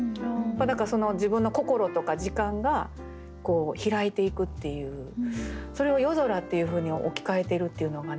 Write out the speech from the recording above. だからその自分の心とか時間が開いていくっていうそれを「夜空」っていうふうに置き換えてるっていうのがね